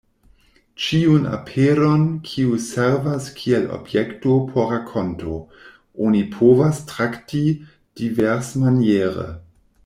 Ĉiun aperon, kiu servas kiel objekto por rakonto, oni povas trakti diversmaniere.